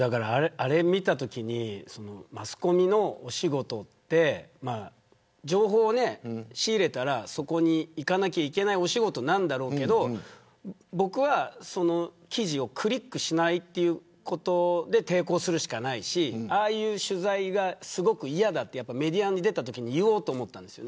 あれを見たときにマスコミのお仕事って情報を仕入れたらそこに行かなきゃいけないお仕事なんだろうけど僕はその記事をクリックしないということで抵抗するしかないしああいう取材がすごく嫌だとメディアに出たときに言おうと思っていたんです。